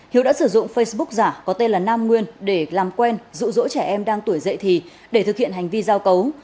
hiếu đã sử dụng facebook giả có tên là nam nguyên để làm quen rụ rỗ trẻ em đang tuổi dậy thì để thực hiện hành vi giao cấu